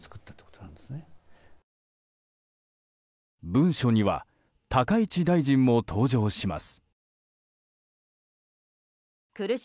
文書には高市大臣も登場します。